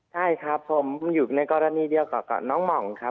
ใช่ครับผมอยู่ในกรณีเดียวกับน้องหม่องครับ